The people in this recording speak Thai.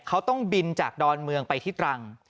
เขาต้องบินจากดอนเมืองไปที่ตรัง